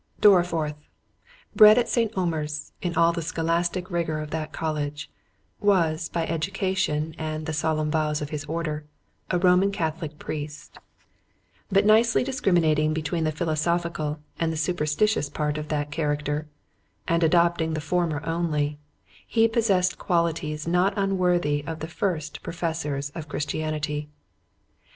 Dorriforth, bred at St. Omer's in all the scholastic rigour of that college, was, by education, and the solemn vows of his order, a Roman Catholic priest—but nicely discriminating between the philosophical and the superstitious part of that character, and adopting the former only, he possessed qualities not unworthy the first professors of Christianity.